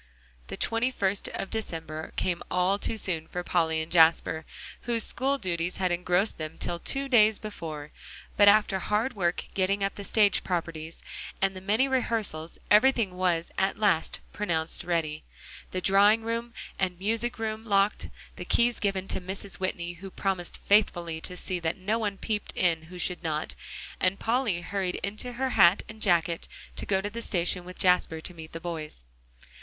The twenty first of December came all too soon for Polly and Jasper, whose school duties had engrossed them till two days before, but after hard work getting up the stage properties, and the many rehearsals, everything was at last pronounced ready, the drawing room and music room locked, the keys given to Mrs. Whitney who promised faithfully to see that no one peeped in who should not, and Polly hurried into her hat and jacket, to go to the station with Jasper to meet the boys.